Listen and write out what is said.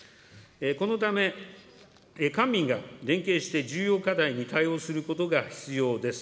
このため、官民が連携して重要課題に対応することが必要です。